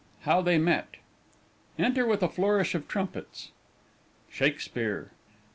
HOW THEY MET. [Enter with a Flourish of Trumpets.] SHAKESPEARE.